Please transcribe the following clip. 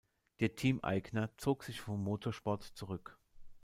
Der Teameigner zog sich vom Motorsport zurück.